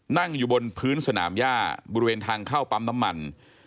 นั่งอยู่บนพื้นสนามย่าบริเวณทางเข้าปั๊มน้ำมัน